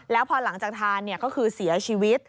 แล้วพอหลังจากทานก็คือเสียชีวิต